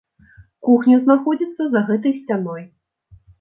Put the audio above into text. Кухня знаходзіцца за гэтай сцяной.